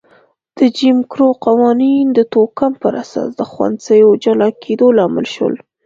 د جیم کرو قوانین د توکم پر اساس د ښوونځیو جلا کېدو لامل شول.